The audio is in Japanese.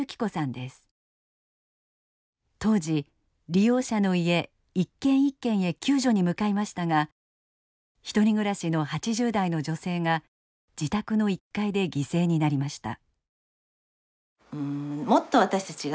当時利用者の家一軒一軒へ救助に向かいましたが１人暮らしの８０代の女性が自宅の１階で犠牲になりました。